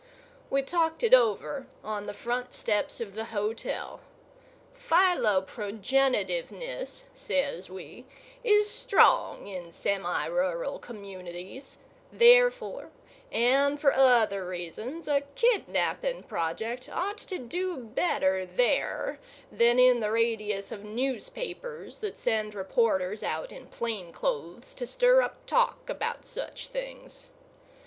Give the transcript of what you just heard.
We talked it over on the front steps of the hotel. Philoprogenitiveness, says we, is strong in semi rural communities; therefore and for other reasons, a kidnapping project ought to do better there than in the radius of newspapers that send reporters out in plain clothes to stir up talk about such things.